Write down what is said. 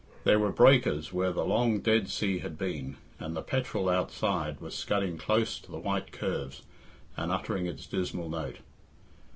There were breakers where the long dead sea had been, and the petrel outside was scudding close to the white curves, and uttering its dismal note.